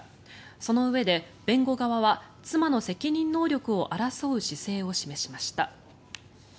そのうえで弁護側は妻の責任能力を争う姿勢を示しました。